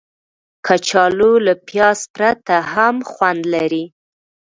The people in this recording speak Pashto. کچالو له پیاز پرته هم خوند لري